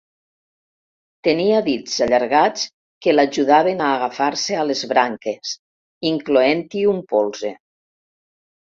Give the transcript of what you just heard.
Tenia dits allargats que l'ajudaven a agafar-se a les branques, incloent-hi un polze.